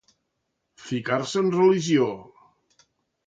Ficar-se en religió.